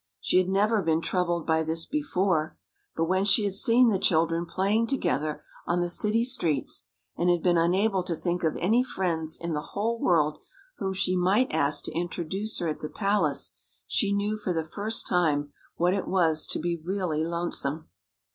She had never been troubled by this before, but when she had seen the children playing together on the city streets, and had been unable to think of any friends in the whole world whom she might ask to introduce her at the palace, she knew for the first time what it was to be really lonesome.